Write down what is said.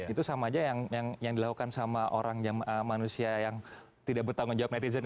itu sama aja yang dilakukan sama orang manusia yang tidak bertanggung jawab netizen